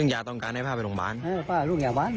ยาหมดต้องกันนานเลยเหรอ